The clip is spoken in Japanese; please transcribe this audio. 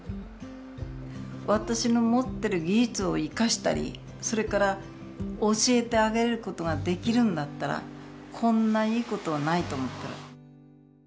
私の持っている技術を生かしたりそれから教えてあげることができるんだったらこんないいことはないと思ってる。